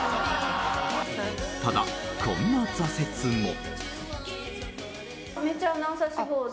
ただ、こんな挫折も。